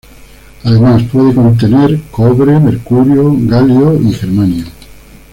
Además puede contener cobre, mercurio, galio y germanio.